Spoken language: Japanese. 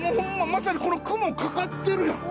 まさにこの雲かかってるやん。